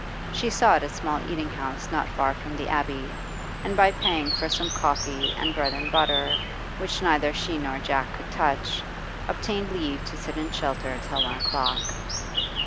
She sought a small eating house not far from the Abbey, and by paying for some coffee and bread and butter, which neither she nor Jack could touch, obtained leave to sit in shelter till one o'clock.